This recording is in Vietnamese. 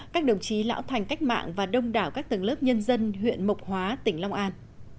các đồng chí lão thành cách mạng và đông đảo các tầng lớp nhân dân huyện mộc hóa tỉnh long an